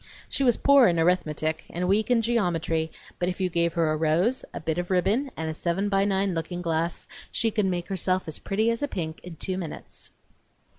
She was poor in arithmetic and weak in geometry, but if you gave her a rose, a bit of ribbon, and a seven by nine looking glass she could make herself as pretty as a pink in two minutes.